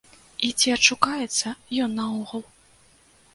І ці адшукаецца ён наогул.